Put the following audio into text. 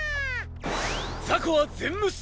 ザコは全無視！